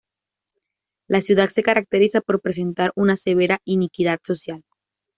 La ciudad se caracteriza por presentar una severa iniquidad social.